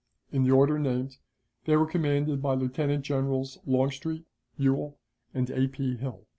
In the order named, they were commanded by Lieutenant Generals Longstreet, Ewell, and A. P. Hill.